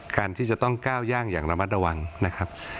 การที่จะต้องก้าวย่างอย่างระมัดระวังนะครับ